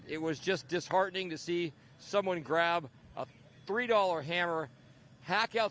itu sangat mengerikan untuk melihat seseorang menangkap seorang pemerintah kota